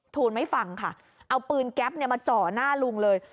ทูลไม่ฟังค่ะเอาปืนแก๊ปมาจ่อหน้าลุงเลย